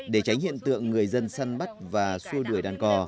để tránh hiện tượng người dân săn bắt và xua đuổi đàn cò